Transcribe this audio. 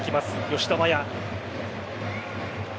吉田麻也。